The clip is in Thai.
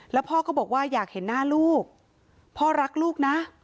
แล้วพ่อก็บอกว่าอยากเห็นหน้าลูกพ่อรักลูกนะ